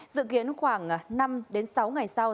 dự kiến khoảng năm sáu ngày sau